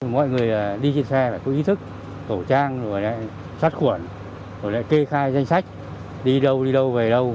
mọi người đi trên xe phải có ý thức khẩu trang sát khuẩn kê khai danh sách đi đâu đi đâu về đâu